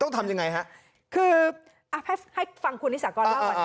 ต้องทำยังไงฮะคืออ่ะให้ให้ฟังคุณนิสากรเล่าก่อน